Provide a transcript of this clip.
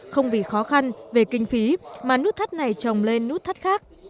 không vì khó khăn về kinh phí mà nút thắt này trồng lên nút thắt khác